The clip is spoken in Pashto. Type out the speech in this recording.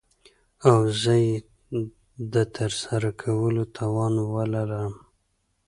او زه يې دترسره کولو توان وه لرم .